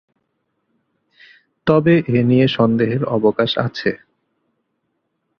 তবে এ' নিয়ে সন্দেহের অবকাশ আছে।